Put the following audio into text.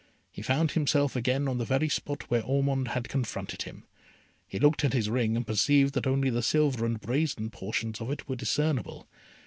He found himself again on the very spot where Ormond had confronted him. He looked at his ring, and perceived that only the silver and brazen portions of it were discernible.